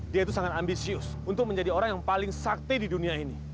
dia itu sangat ambisius untuk menjadi orang yang paling sakti di dunia ini